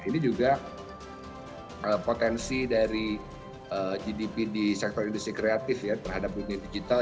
ini juga potensi dari gdp di sektor industri kreatif ya terhadap dunia digital